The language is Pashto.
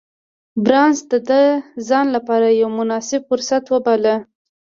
بارنس دا د ځان لپاره يو مناسب فرصت وباله.